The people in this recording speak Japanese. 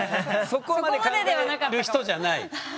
そこまで考える人じゃない？